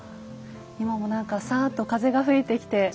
今も何かサーッと風が吹いてきて。